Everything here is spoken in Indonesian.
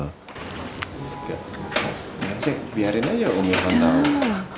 gak sih biarin aja om ya kan tau